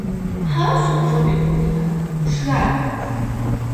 ჰავა სუბტროპიკულია, მშრალი.